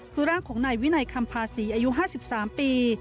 คือร่างของนายวินัยคำภาษีอายุ๕๓ปี